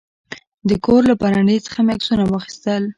د کور له برنډې څخه مې عکسونه واخیستل.